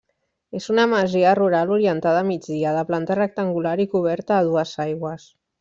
És una masia rural orientada a migdia, de planta rectangular i coberta a dues aigües.